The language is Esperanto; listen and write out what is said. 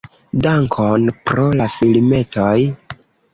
"Dankon pro la filmetoj"!